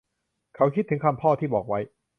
เขาคิดถึงคำพ่อที่บอกไว้